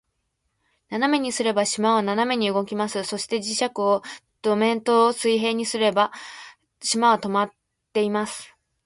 斜めにすれば、島は斜めに動きます。そして、磁石を土面と水平にすれば、島は停まっています。